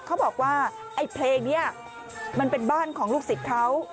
เขาบอกว่าไอ้เพลงนี้มันเป็นบ้านของลูกศิษย์เขา